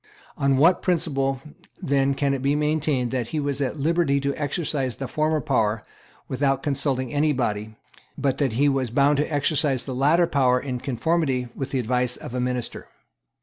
On what principle then can it be maintained that he was at liberty to exercise the former power without consulting any body, but that he was bound to exercise the latter power in conformity with the advice of a minister?